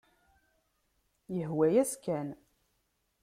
Yehwa-yas kan.